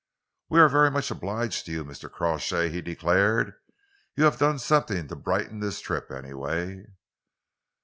"We are very much obliged to you, Mr. Crawshay," he declared. "You have done something to brighten this trip, anyway."